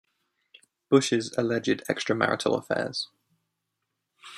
Bush's alleged extramarital affairs.